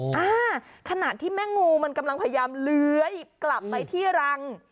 ขณะที่แม่งูมันกำลังพยายามเลื้อยกลับไปที่รัง